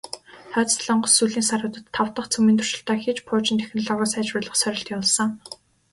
Хойд Солонгос сүүлийн саруудад тав дахь цөмийн туршилтаа хийж, пуужингийн технологио сайжруулах сорилт явуулсан.